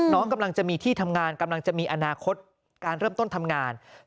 น้องกำลังจะมีที่ทำงานกำลังจะมีอนาคตการเริ่มต้นทำงาน